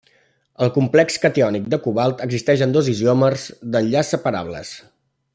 El complex catiònic de cobalt existeix en dos isòmers d'enllaç separables.